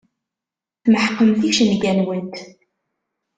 Tmeḥqemt icenga-nwent.